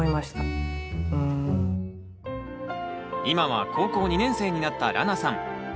今は高校２年生になったらなさん。